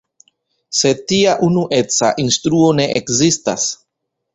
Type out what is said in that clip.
Sed tia unueca instruo ne ekzistas.